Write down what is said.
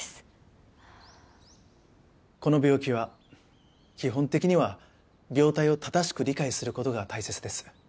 この病気は基本的には病態を正しく理解する事が大切です。